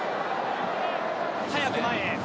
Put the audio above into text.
早く前へ。